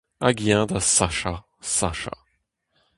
Hag eñ da sachañ, sachañ.